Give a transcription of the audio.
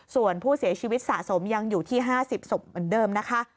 ส่วนผู้เสียชีวิตสะสมยังอยู่ที่๕๐ศพเหมือนเดิมนะคะ